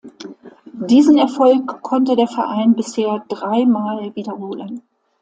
Diesen Erfolg konnte der Verein bisher drei Mal wiederholen.